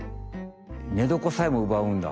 寝床さえもうばうんだ。